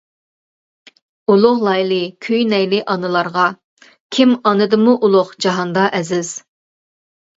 ئۇلۇغلايلى كۆيۈنەيلى ئانىلارغا كىم ئانىدىنمۇ ئۇلۇغ جاھاندا ئەزىز.